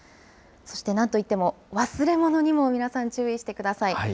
そして、なんといっても、忘れ物にも皆さん、注意してください。